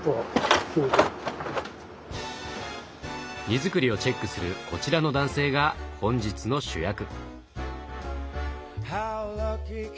荷造りをチェックするこちらの男性が本日の主役。